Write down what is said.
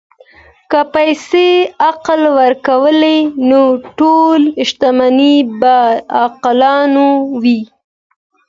که پیسې عقل ورکولی، نو ټول شتمن به عاقلان وای.